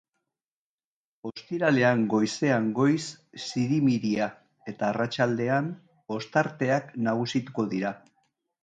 Ostiralean goizean goiz zirimiria eta arratsaldean ostarteak nagusituko dira.